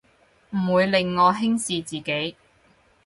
唔會令我輕視自己